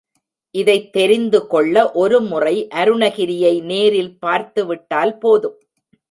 இதைத் தெரிந்து கொள்ள ஒரு முறை அருணகிரியை நேரில் பார்த்து விட்டால் போதும்.